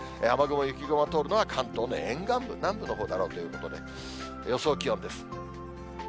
雨雲、雪雲が通るのは、関東の沿岸部、南部のほうだろうということで、予想気温です。